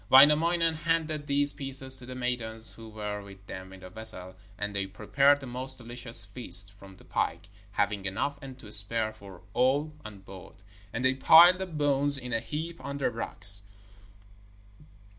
Wainamoinen handed these pieces to the maidens who were with them in the vessel, and they prepared the most delicious feast from the pike, having enough and to spare for all on board. And they piled the bones in a heap on the rocks.